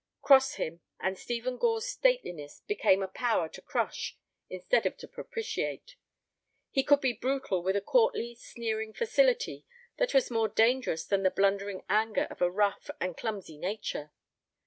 Cross him, and Stephen Gore's stateliness became a power to crush instead of to propitiate. He could be brutal with a courtly, sneering facility that was more dangerous than the blundering anger of a rough and clumsy nature.